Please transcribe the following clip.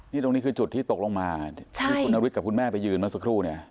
นี่ตรงนี้คือจุดที่ตกลงมาที่คุณนฤทธิกับคุณแม่ไปยืนเมื่อสักครู่เนี่ย